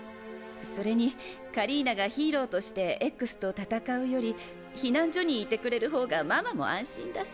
それにカリーナがヒーローとしてＸと戦うより避難所にいてくれるほうがママも安心だし。